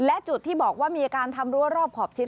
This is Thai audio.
และจุดที่บอกว่ามีอาการทำรั้วรอบขอบชิด